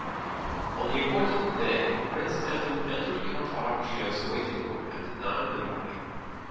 On the appointed day Prince Andrew entered Count Arakchéev's waiting room at nine in the morning.